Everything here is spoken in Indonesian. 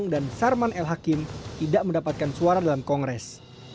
dan sermon el hakim tidak mendapatkan suara dalam kongres